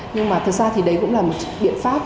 nhưng mà thực ra thì đấy cũng là một biện pháp